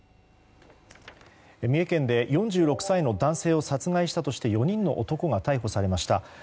三重県で４６歳の男性を殺害したとして４人の男が逮捕されました。